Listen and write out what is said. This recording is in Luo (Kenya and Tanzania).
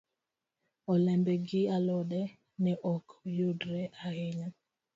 Olembe gi alode ne ok yudre ahinya.